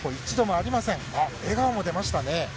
あっ、笑顔も出ましたね。